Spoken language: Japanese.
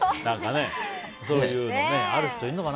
そういうのある人いるのかな。